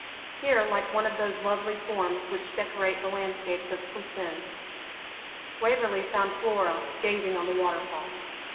Here, like one of those lovely forms which decorate the landscapes of Poussin, Waverley found Flora gazing on the waterfall.